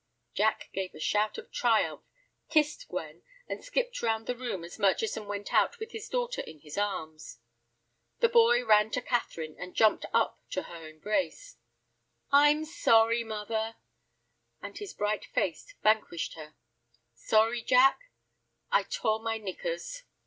Jack gave a shout of triumph, kissed Gwen, and skipped round the room as Murchison went out with his daughter in his arms. The boy ran to Catherine, and jumped up to her embrace. "I'm sorry, mother," and his bright face vanquished her. "Sorry, Jack?" "I tore my knickers."